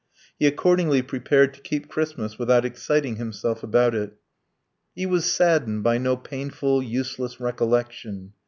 He accordingly prepared to keep Christmas without exciting himself about it. He was saddened by no painful, useless recollection.